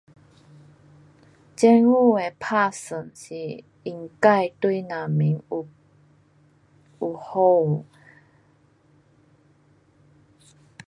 政府的打算是应该对人民有，有好。